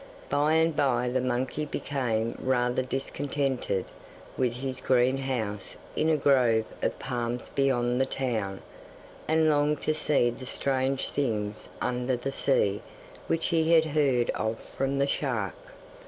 By and bye the monkey became rather discontented with his green house in a grove of palms beyond the town, and longed to see the strange things under the sea which he had heard of from the shark.